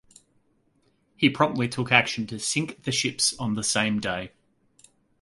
He promptly took action to sink the ships on the same day.